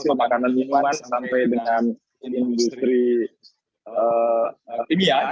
untuk makanan minuman sampai dengan industri kimia